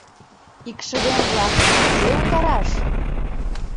Икшывем-влакым кузе утараш?